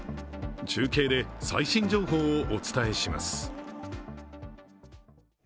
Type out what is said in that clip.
中継で最新情報をお伝えします。